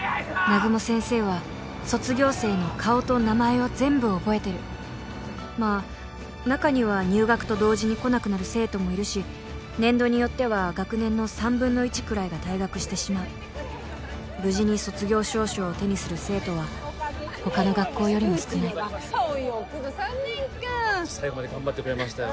南雲先生は卒業生の顔と名前を全部覚えてるまあ中には入学と同時に来なくなる生徒もいるし年度によっては学年の３分の１くらいが退学してしまう無事に卒業証書を手にする生徒は他の学校よりも少ないよくぞ３年間ホント最後まで頑張ってくれましたよ